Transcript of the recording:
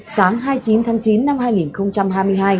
sáng hai mươi chín tháng chín năm hai nghìn hai mươi hai